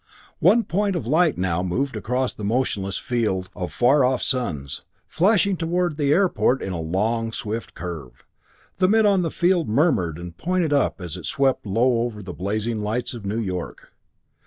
One point of light now moved across the motionless field of far off suns, flashing toward the airport in a long, swift curve. The men on the field murmured and pointed up at it as it swept low over the blazing lights of New York.